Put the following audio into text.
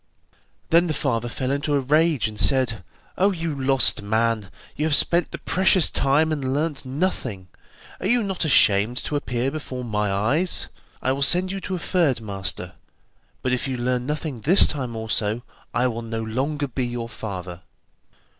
Then the father fell into a rage and said: 'Oh, you lost man, you have spent the precious time and learnt nothing; are you not ashamed to appear before my eyes? I will send you to a third master, but if you learn nothing this time also, I will no longer be your father.